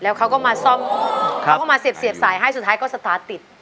แล้วเขาก็มาเสียบสายให้สุดท้ายก็สตาร์ทติด